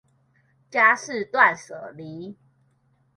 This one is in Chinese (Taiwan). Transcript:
家事斷捨離